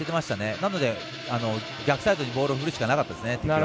なので、逆サイドにボールを振るしかなかったです。